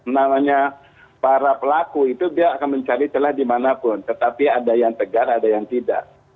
namanya para pelaku itu dia akan mencari celah dimanapun tetapi ada yang tegar ada yang tidak